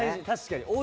確かに。